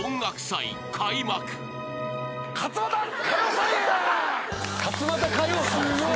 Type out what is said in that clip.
勝俣歌謡祭！